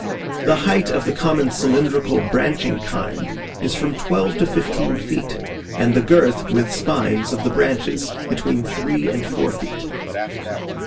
The height of the common cylindrical, branching kind, is from twelve to fifteen feet, and the girth (with spines) of the branches between three and four feet.